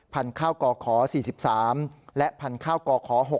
พันธุ์ข้าวก่อขอ๔๓และพันธุ์ข้าวก่อขอ๖